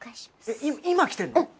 えい今来てるの？